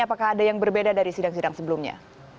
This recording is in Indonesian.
apakah ada yang berbeda dari sidang sidang sebelumnya